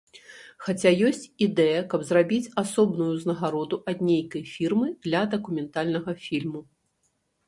Хаця ёсць ідэя каб зрабіць асобную узнагароду ад нейкай фірмы для дакументальнага фільму.